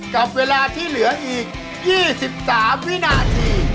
กับเวลาที่เหลืออีก๒๓วินาที